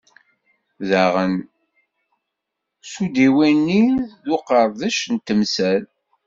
Daɣen, s udiwenni d usqerdec n temsal.